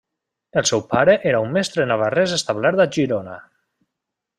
El seu pare era un mestre navarrès establert a Girona.